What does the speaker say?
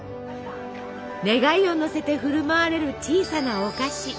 願いを乗せて振る舞われる小さなお菓子。